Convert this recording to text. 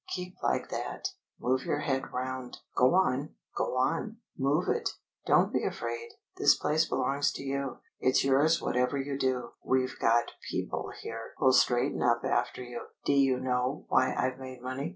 Keep like that. Move your head round. Go on! Go on! Move it! Don't be afraid. This place belongs to you. It's yours. Whatever you do, we've got people here who'll straighten up after you.... D'you know why I've made money?